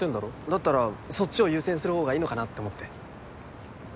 だったらそっちを優先するほうがいいのかなって思って。